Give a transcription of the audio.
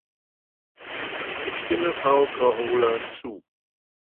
Ich stimme Frau Korhola zu.